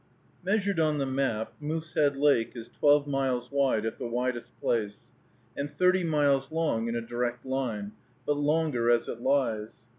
Measured on the map, Moosehead Lake is twelve miles wide at the widest place, and thirty miles long in a direct line, but longer as it lies.